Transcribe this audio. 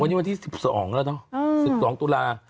วันนี้วันที่๑๒แล้วเนอะ๑๒ตุลา